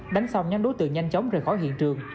đánh xong nhóm đối tượng nhanh chóng rời khỏi hiện trường